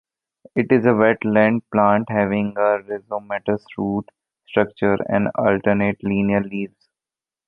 It is a wetland plant having a rhizomatous root structure and alternate linear leaves.